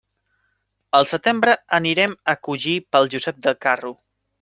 Al setembre anirem a collir pel Josep de Carro.